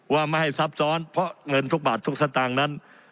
ว่าไม่ให้ซับซ้อนเพราะเงินทุกบาททุกสตางค์นั้น